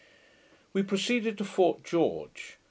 ] We proceeded to Fort George.